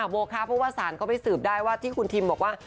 โมคะเพราะว่าสารเขาไปสืบได้ว่าที่คุณทิมบอกว่า